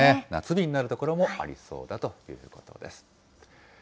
夏日になる所もありそうだということです。